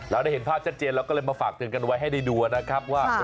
เราได้เห็นภาพชัดเจนเราก็เลยมาฝากเตือนกันไว้ให้ได้ดูนะครับว่า